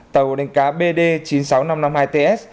tàu đánh cá bd chín mươi sáu nghìn năm trăm năm mươi hai ts